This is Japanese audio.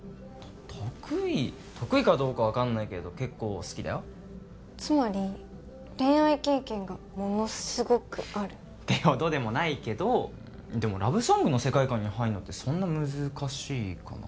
得意得意かどうかは分かんないけど結構好きだよつまり恋愛経験がものすごくある？ってほどでもないけどでもラブソングの世界観に入るのってそんな難しいかな